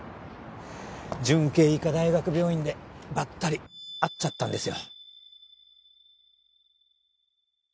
順慶医科大学病院でばったり会っちゃったんですよ。